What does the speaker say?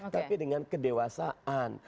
tapi dengan kedewasaan